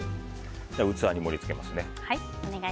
器に盛り付けます。